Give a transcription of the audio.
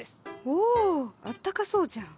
おあったかそうじゃん。